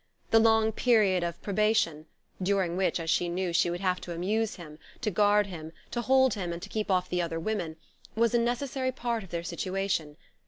The long period of probation, during which, as she knew, she would have to amuse him, to guard him, to hold him, and to keep off the other women, was a necessary part of their situation.